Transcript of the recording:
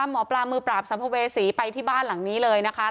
หมอปลามือปราบสัมภเวษีไปที่บ้านหลังนี้เลยนะคะ